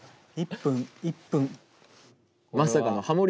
１分１分。